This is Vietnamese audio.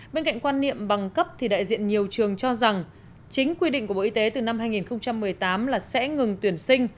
bên cạnh quan niệm bằng cấp thì đại diện nhiều trường cho rằng chính quy định của bộ y tế từ năm hai nghìn một mươi tám là sẽ ngừng tuyển sinh